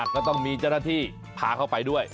ก็ต้องมีเจ้าหน้าที่พาเข้าไปด้วย